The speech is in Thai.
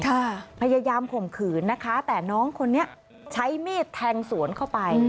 พยายามข่มขืนนะคะแต่น้องคนนี้ใช้มีดแทงสวนเข้าไป